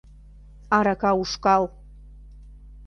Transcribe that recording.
Арака ушкал!